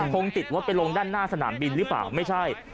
คงติดรถไปลงด้านหน้าสนามบินหรือเปล่าไม่ใช่